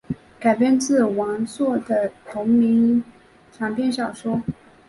改编自王朔的同名长篇小说。